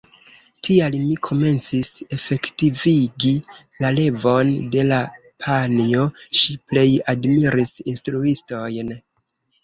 Tial mi komencis efektivigi la revon de la panjo: ŝi plej admiris instruistojn.